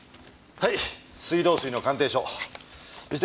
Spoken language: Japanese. はい。